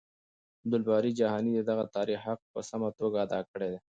عبدالباري جهاني د دغه تاريخ حق په سمه توګه ادا کړی دی.